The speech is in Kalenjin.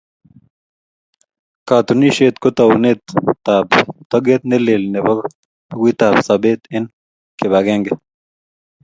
Katunisyet ko taunetab togeet ne lel nebo bukuitab sobeet eng kibagenge.